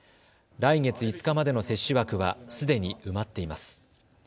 来月５日までの接種枠はすでに埋まっています。